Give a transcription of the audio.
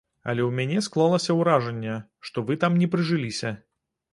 Але ў мяне склалася ўражанне, што вы там не прыжыліся.